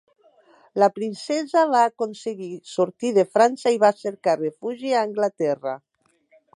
La princesa va aconseguir sortir de França i va cercar refugi a Anglaterra.